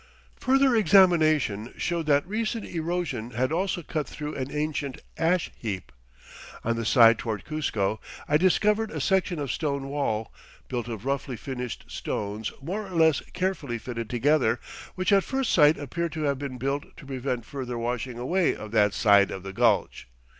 Further examination showed that recent erosion had also cut through an ancient ash heap. On the side toward Cuzco I discovered a section of stone wall, built of roughly finished stones more or less carefully fitted together, which at first sight appeared to have been built to prevent further washing away of that side of the gulch.